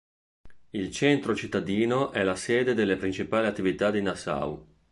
Il centro cittadino è la sede delle principali attività di Nassau.